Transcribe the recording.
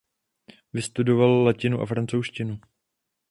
Vystudoval latinu a francouzštinu.